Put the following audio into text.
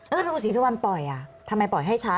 แล้วถ้าคุณศรีสวรรค์ปล่อยทำไมปล่อยให้ช้า